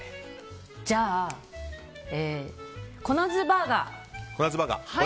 じゃあ、コナズバーガー。